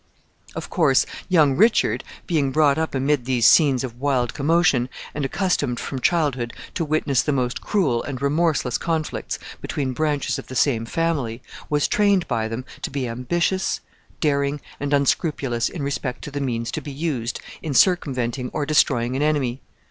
] Of course, young Richard, being brought up amid these scenes of wild commotion, and accustomed from childhood to witness the most cruel and remorseless conflicts between branches of the same family, was trained by them to be ambitious, daring, and unscrupulous in respect to the means to be used in circumventing or destroying an enemy.